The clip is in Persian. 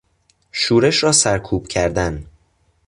شورش را سرکوب کردن